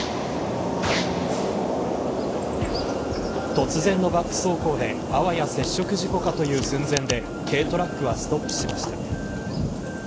突然のバック走行であわや接触事故かという寸前で軽トラックはストップしました。